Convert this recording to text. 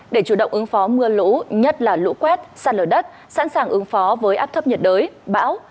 để chủ động ứng phó mưa lũ nhất là lũ quét sạt lở đất sẵn sàng ứng phó với áp thấp nhiệt đới bão